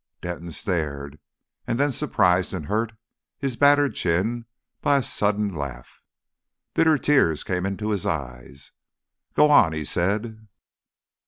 Denton stared, and then surprised and hurt his battered chin by a sudden laugh. Bitter tears came into his eyes. "Go on," he said.